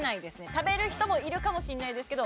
食べる人もいるかもしれないですけど